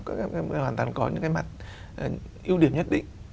các em hoàn toàn có những cái mặt ưu điểm nhất định